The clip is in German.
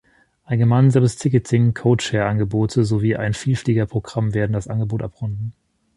Ein gemeinsames Ticketing, Codeshare-Angebote sowie ein Vielfliegerprogramm werden das Angebot abrunden.